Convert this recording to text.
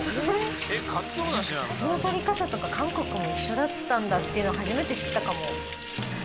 出汁の取り方とか韓国も一緒だったんだっていうの初めて知ったかも。